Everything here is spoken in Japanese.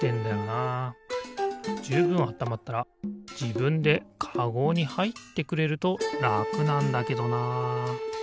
じゅうぶんあったまったらじぶんでかごにはいってくれるとらくなんだけどな。